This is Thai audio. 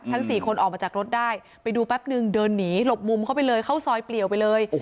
สี่คนออกมาจากรถได้ไปดูแป๊บนึงเดินหนีหลบมุมเข้าไปเลยเข้าซอยเปลี่ยวไปเลย